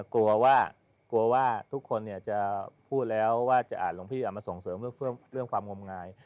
กลัวว่าทุกคนเนี่ยจะพูดแล้วว่าจะหลวงพี่เอามาส่งเสริมเรื่องความงงาย